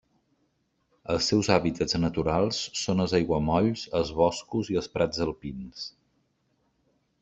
Els seus hàbitats naturals són els aiguamolls, els boscos i els prats alpins.